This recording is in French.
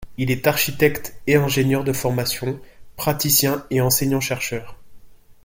Il est architecte et ingénieur de formation, praticien et enseignant-chercheur.